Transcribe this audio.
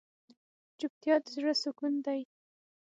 چوپتیا، د زړه سکون دی.